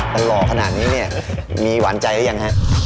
มันหล่อขนาดนี้เนี่ยมีหวานใจหรือยังฮะ